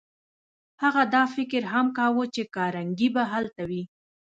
هغه دا فکر هم نه کاوه چې کارنګي به هلته وي.